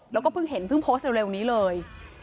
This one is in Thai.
แล้วก็เพิ่งเห็นเพิ่งโพสต์เร็วนี้เลย